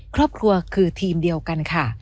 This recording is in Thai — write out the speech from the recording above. ครอบครัวคือทีมเดียวกันค่ะ